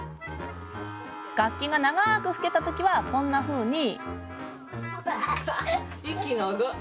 楽器が長く吹けた時はこんなふうに。